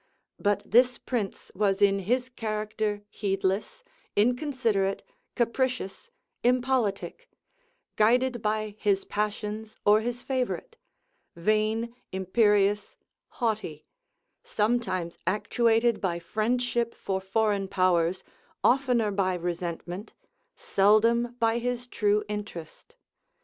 But this prince was in his character heedless, inconsiderate, capricious, impolitic; guided by his passions or his favorite; vain, imperious, haughty; sometimes actuated by friendship for foreign powers, oftener by resentment, seldom by his true interest.